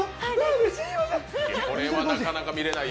うれしい。